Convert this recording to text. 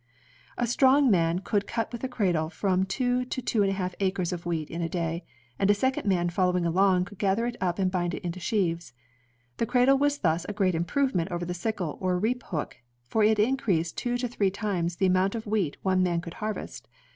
A strong man could cut with a cradle from two to two and a half acreia of wheat m a day, and a second man following along could gather it up and bind it into sheaves. The cradle was thus a great miprovement over the sickle or reap book, for it increased two to three times the amount of wheat one man could harvest.